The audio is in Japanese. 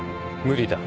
無理だ。